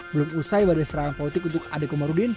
belum usai pada serangan politik untuk adi komarudin